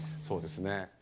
そうですね。